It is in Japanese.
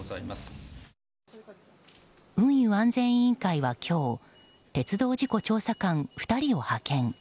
運輸安全委員会は今日鉄道事故調査官２人を派遣。